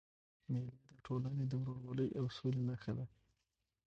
مېلې د ټولني د ورورولۍ او سولي نخښه ده.